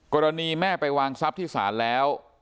กรณีแม่ไปวางทรัพย์ที่ศาลแล้ว